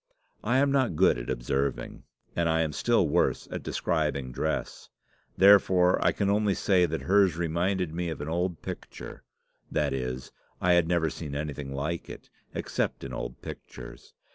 I am not good at observing, and I am still worse at describing dress, therefore I can only say that hers reminded me of an old picture that is, I had never seen anything like it, except in old pictures.